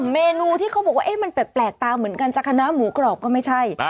เมนูที่เขาบอกว่ามันแปลกตาเหมือนกันจากคณะหมูกรอบก็ไม่ใช่